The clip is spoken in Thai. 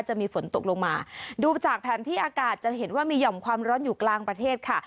จะมีฝนตกลงมาดูจากแผนที่อากาศจะเห็นว่ามีห่อมความร้อนอยู่กลางประเทศค่ะ